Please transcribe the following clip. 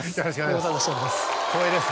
ご無沙汰しております。